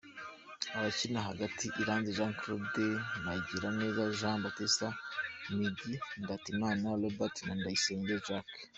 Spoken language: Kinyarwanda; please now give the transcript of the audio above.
Abakina hagati: Iranzi Jean Claude, Mugiraneza Jean Baptiste “Migi”, Ndatimana Robert na Tuyisenge Jacques.